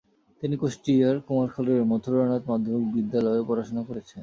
তিনি কুষ্টিয়ার কুমারখালী মথুরানাথ মাধ্যমিক বিদ্যালয়েও পড়াশুনা করেছেন।